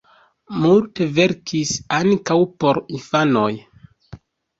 Multe verkis ankaŭ por infanoj.